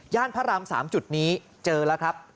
พระราม๓จุดนี้เจอแล้วครับ